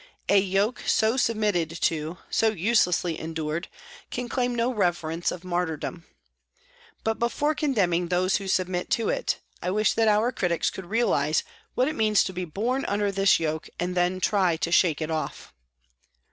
A yoke so submitted to, so uselessly endured, can claim no reverence of martyrdom. But before con demning those who submit to it, I wish that our critics could realise what it means to be born under this yoke and then try to shake it off.